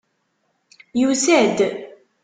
Yusa-d!